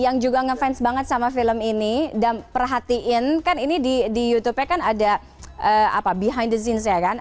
yang juga ngefans banget sama film ini dan perhatiin kan ini di youtubenya kan ada behind the scenes ya kan